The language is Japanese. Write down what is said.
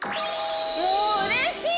もううれしい！